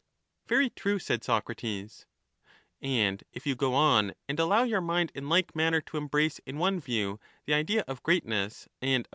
Very true, said Socrates. And if you go on and allow your mind in like manner to But the embrace in one view the idea of greatness and of